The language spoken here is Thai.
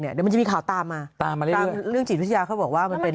เดี๋ยวมันจะมีข่าวตามมาตามเรื่องจีนวิทยาเขาบอกว่า